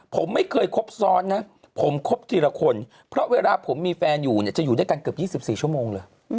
ผมไม่เคยครบซ้อนนะผมคบทีละคนเพราะเวลาผมมีแฟนอยู่เนี่ยจะอยู่ด้วยกันเกือบ๒๔ชั่วโมงเลย